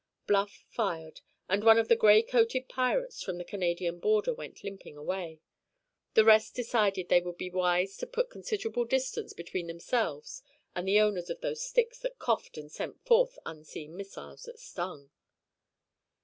Bluff fired, and one of the gray coated pirates from the Canadian border went limping away. The rest decided they would be wise to put considerable distance between themselves and the owners of those sticks that coughed and sent forth unseen missiles that stung.